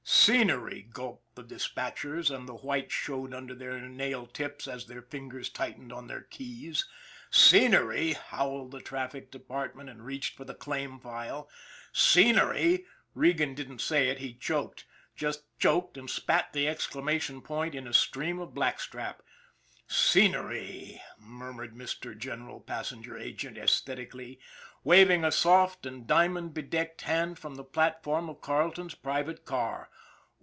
" Scenery !" gulped the dispatchers, and the white showed under their nail tips as their fingers tightened on their keys. " Scenery !" howled the traffic department, and reached for the claim file. " Scenery !" Regan didn't say it he choked. Just choked, and spat the exclamation point in a stream of black strap. "Scenery!" murmured Mr. General Passenger Agent esthetically, waving a soft and diamond be decked hand from the platform of Carleton's private car.